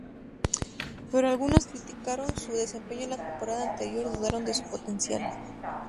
Pero algunos, criticando su desempeño en la temporada anterior, dudaron de su potencial.